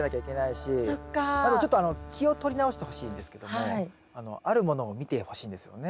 ちょっと気を取り直してほしいんですけどもあるものを見てほしいんですよね。